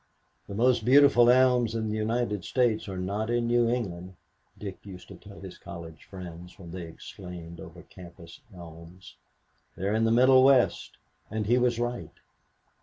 "The most beautiful elms in the United States are not in New England," Dick used to tell his college friends, when they exclaimed over campus elms. "They're in the Middle West." And he was right.